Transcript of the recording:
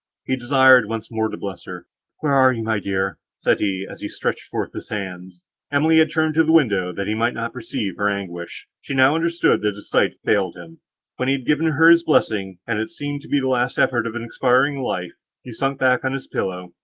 He desired once more to bless her; "Where are you, my dear?" said he, as he stretched forth his hands. Emily had turned to the window, that he might not perceive her anguish; she now understood, that his sight had failed him. When he had given her his blessing, and it seemed to be the last effort of expiring life, he sunk back on his pillow.